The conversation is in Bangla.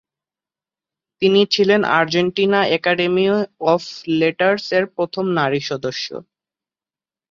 তিনি ছিলেন আর্জেন্টিনা একাডেমী অফ লেটারস-এর প্রথম নারী সদস্য।